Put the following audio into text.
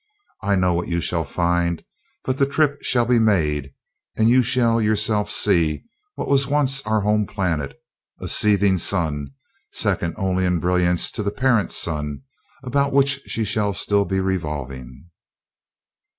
I know what you shall find but the trip shall be made, and you shall yourself see what was once our home planet, a seething sun, second only in brilliance to the parent sun about which she shall still be revolving."